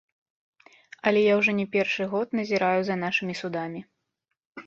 Але я ўжо не першы год назіраю за нашымі судамі.